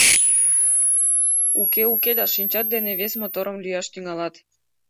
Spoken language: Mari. Уке-уке да шинчат дене вес моторым лӱяш тӱҥалат.